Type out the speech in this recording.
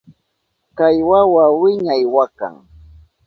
Kay wawa wiñay wakan.